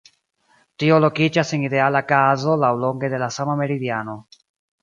Tio lokiĝas en ideala kazo laŭlonge de la sama meridiano.